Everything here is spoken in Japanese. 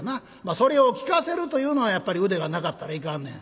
それを聴かせるというのはやっぱり腕がなかったらいかんねん。